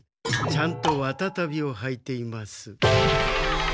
ちゃんとわたタビをはいています。